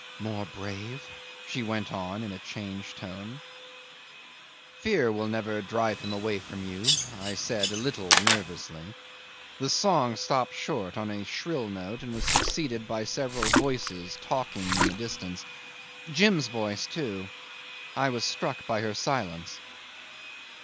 "More brave," she went on in a changed tone. "Fear will never drive him away from you," I said a little nervously. The song stopped short on a shrill note, and was succeeded by several voices talking in the distance. Jim's voice too. I was struck by her silence.